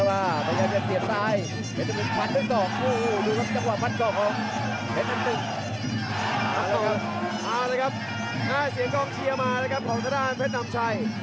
เอาเลยครับหน้าเสียงกล้องเชียร์มาเลยครับของสดานแพทย์น้ำชัย